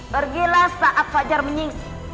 pergilah saat fajar menyingsi